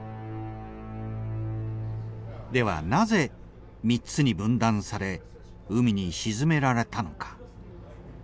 ではなぜ３つに分断され海に沈められたのか。